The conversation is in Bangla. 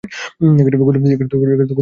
গুলি করুন এখানে!